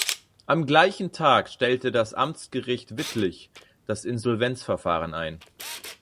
Am gleichen Tag stellte das Amtsgericht Wittlich das Insolvenzverfahren ein.